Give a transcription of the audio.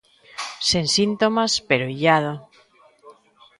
Sen síntomas pero illado.